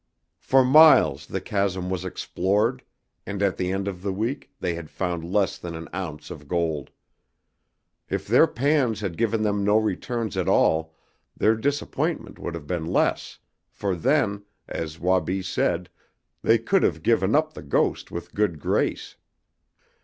For miles the chasm was explored and at the end of the week they had found less than an ounce of gold. If their pans had given them no returns at all their disappointment would have been less, for then, as Wabi said, they could have given up the ghost with good grace.